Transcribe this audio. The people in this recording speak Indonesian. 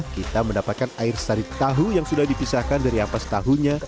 kita mendapatkan air sarip tahu yang sudah dipisahkan dari ampas tahunya